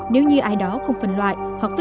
nếu như ai đó không phân loại